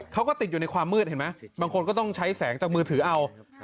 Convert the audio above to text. เขาก็ติดอยู่ในความมืดเห็นไหมบางคนก็ต้องใช้แสงจากมือถือเอา